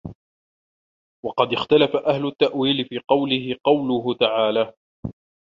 وَقَدْ اخْتَلَفَ أَهْلُ التَّأْوِيلِ فِي قَوْلِهِ قَوْله تَعَالَى